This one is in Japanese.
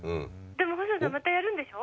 ☎でも細野さんまたやるんでしょ？